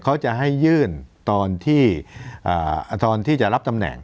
เขาจะให้ยื่นตอนที่ตอนที่จะรับตำแหน่ง